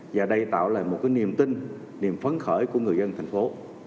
và đây tạo lại một cái niềm tin niềm phấn khởi của người dân thành phố